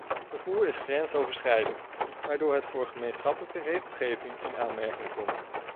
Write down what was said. Vervoer is grensoverschrijdend, waardoor het voor gemeenschappelijke regelgeving in aanmerking komt.